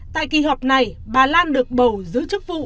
tại kỳ họp này bà lan được bầu giữ chức vụ